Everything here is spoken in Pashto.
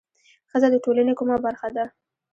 ښځه د ټولنې کومه برخه ده؟